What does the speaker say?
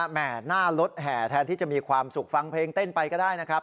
แม่หน้ารถแห่แทนที่จะมีความสุขฟังเพลงเต้นไปก็ได้นะครับ